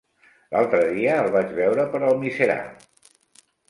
L'altre dia el vaig veure per Almiserà.